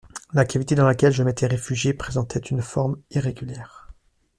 La cavité dans laquelle je m'étais réfugié présentait une forme irrégulière.